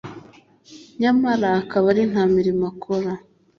nyamara akaba ari nta mirimo akora